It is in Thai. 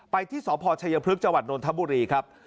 ไปที่สพชะเยาะพฤกษ์จธฑครับ